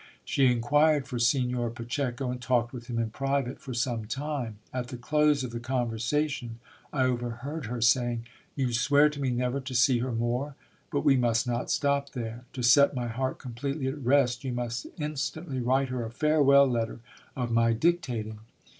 She inquired for Signor Pacheco, and talked with him in private for some time. At the close of the conversation, I overheard her saying — You swear to me never to see her more ; but we must not stop there, to set my heart completely at rest you must instantly write her a farewell letter of my dictating.